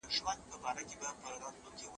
که ښځې فلم جوړ کړي نو کلتور به نه هیریږي.